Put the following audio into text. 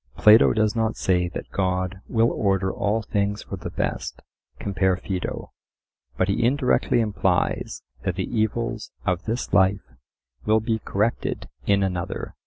Plato does not say that God will order all things for the best (compare Phaedo), but he indirectly implies that the evils of this life will be corrected in another.